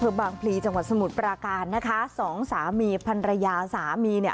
เนี้ยเบลือกพรีจังหวัดสมุทรปราการนะคะสองสามีพันระยาสามีเนี้ย